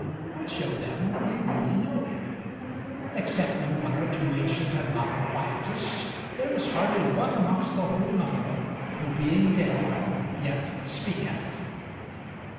Which of them do we really know? Excepting one or two ancient and modern Quietists, there is hardly one amongst the whole number who being dead yet speaketh.